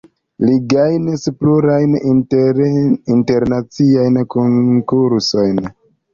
Li gajnis plurajn internaciajn konkursojn.